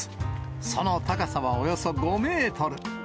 その高さはおよそ５メートル。